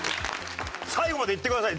最後までいってください